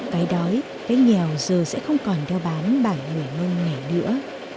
cái đói cái nghèo giờ sẽ không còn đeo bán bản người nông này nữa